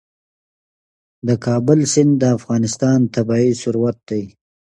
د کابل سیند د افغانستان طبعي ثروت دی.